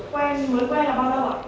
quen mới quen là bao lâu ạ